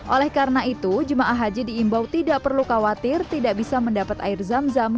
oleh karena itu jemaah haji diimbau tidak perlu khawatir tidak bisa mendapat air zam zam